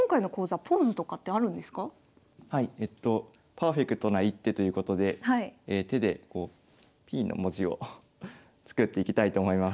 パーフェクトな一手ということで手でＰの文字を作っていきたいと思います。